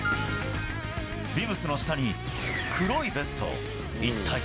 ビブスの下に、黒いベスト。